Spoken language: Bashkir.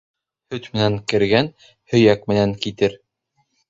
Һөт менән кергән һөйәк менән китер.